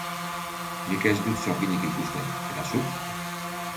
Nik ez dut sorginik ikusten, eta zuk?